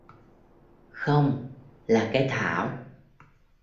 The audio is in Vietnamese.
không, là cái Thảo